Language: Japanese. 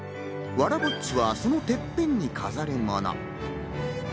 わらぼっちはそのてっぺんに飾るもの。